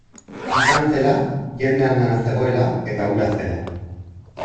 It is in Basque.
Izan zela, jende andana zegoela eta hura zela.